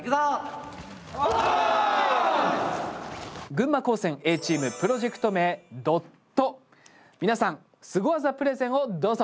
群馬高専Ａチームプロジェクト名「ＤＯＴ」皆さんスゴ技プレゼンをどうぞ。